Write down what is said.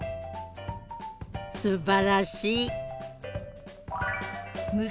すばらしい！